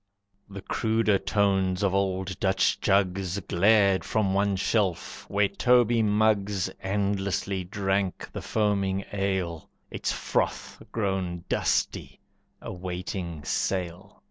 The cruder tones of old Dutch jugs Glared from one shelf, where Toby mugs Endlessly drank the foaming ale, Its froth grown dusty, awaiting sale.